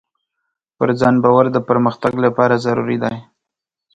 پر ځان باور د پرمختګ لپاره ضروري دی.